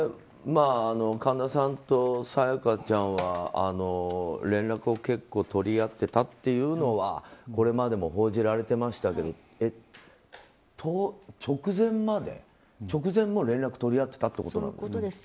神田さんと沙也加ちゃんは連絡を結構取り合ってたというのはこれまでも報じられてましたけど直前も連絡を取り合っていたということですか。